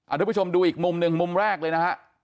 ทุกผู้ชมดูอีกมุมหนึ่งมุมแรกเลยนะฮะ